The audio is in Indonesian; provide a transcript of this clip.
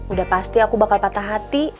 udah pasti aku bakal patah hati